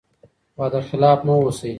وعده خلاف مه اوسئ.